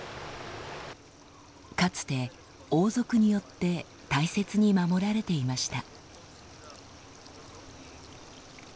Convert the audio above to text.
かつて王族によって大切に守られていました。